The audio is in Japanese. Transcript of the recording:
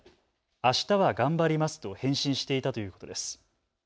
あしたは頑張りますと返信していたということです。